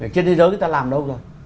trên thế giới người ta làm đâu rồi